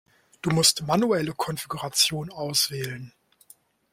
Du musst manuelle Konfiguration auswählen.